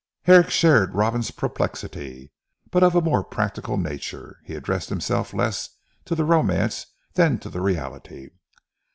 Herrick shared Robin's perplexity: but of a more practical nature, he addressed himself less to the romance than to the reality.